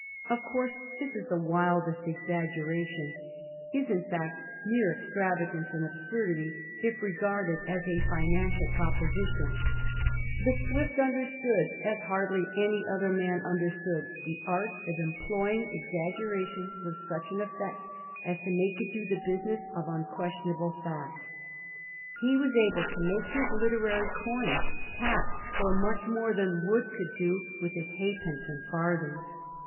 Of course this is the wildest exaggeration — is, in fact, mere extravagance and absurdity, if regarded as a financial proposition. VOL. I. Y Digiti zed by Google 322 A HISTORY OF THE POUR GEORGES. ch. xt. But Swift understood, as hardly any other man un derstood, the art of employing exaggeration with snch an effect as to make it do the business of un questionable fact. He was able to make his literary coins pass for much more than Wood could do with his halfpence and farthings.